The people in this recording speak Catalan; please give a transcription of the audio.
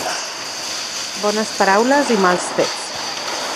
Bones paraules i mals fets.